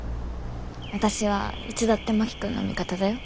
私はいつだって真木君の味方だよ。